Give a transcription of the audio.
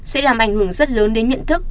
sẽ làm ảnh hưởng rất lớn đến nhận thức